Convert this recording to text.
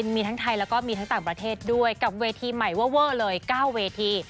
มีทั้งไทยแล้วก็มีทั้งต่างประเทศด้วยกับเวทีใหม่เวอร์เลย๙เวที